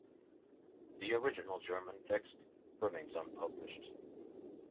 The original German text remains unpublished.